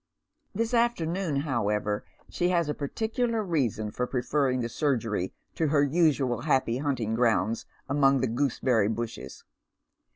Tliia afternoon, however, she has a particular reason for preferring the surgery to her usual happy hunting grounds among the gooseberry bushes.